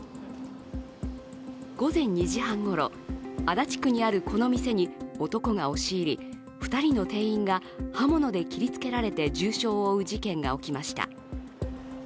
午前２時半ごろ、足立区にあるこの店に男が押し入り、２人の店員が刃物で切りつけられて重傷を負う事件が起きました。